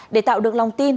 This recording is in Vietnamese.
để tạo được lòng tin